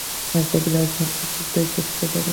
একটা বিড়াল সবকিছুতেই চড়তে পারে।